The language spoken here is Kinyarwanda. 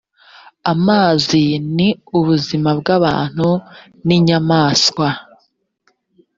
amazi ni ubuzima bw’ abantu n’ inyamaswa